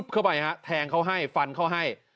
เข้าไปฮะแทงเขาให้ฟันเขาให้